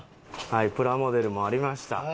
はいプラモデルもありました。